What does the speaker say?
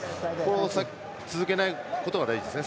続けないことが大事ですね。